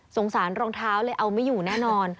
สารรองเท้าเลยเอาไม่อยู่แน่นอน